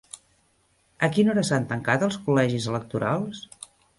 A quina hora s'han tancat els col·legis electorals?